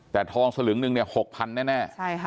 แต่ทองสลึงนึงเนี่ย๖๐๐แน่